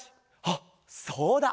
あっそうだ！